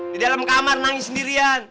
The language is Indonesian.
di dalam kamar nangis sendirian